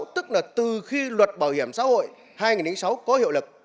tức là từ khi luật bảo hiểm xã hội hai nghìn sáu có hiệu lực